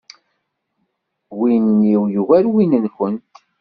Win-iw yugar win-nkent.